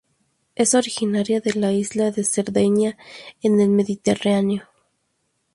Es originaria de la isla de Cerdeña en el Mediterráneo.